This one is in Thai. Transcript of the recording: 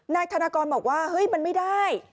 นายธนากรบอกว่าเฮ้ยมันไม่ได้